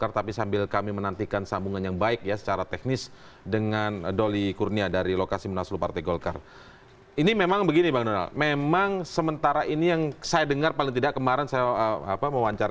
aris tiawan cnn indonesia